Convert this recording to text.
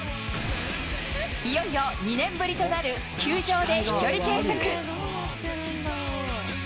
いよいよ２年ぶりとなる球場で飛距離計測。